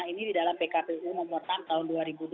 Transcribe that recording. ini di dalam pkpu nomor enam tahun dua ribu dua puluh